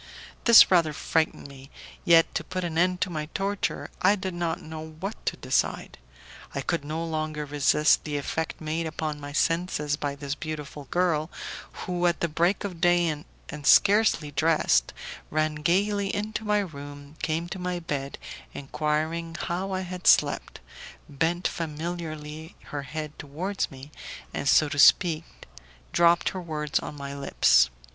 This rather frightened me. Yet, to put an end to my torture, I did not know what to decide. I could no longer resist the effect made upon my senses by this beautiful girl, who, at the break of day and scarcely dressed, ran gaily into my room, came to my bed enquiring how I had slept, bent familiarly her head towards me, and, so to speak, dropped her words on my lips.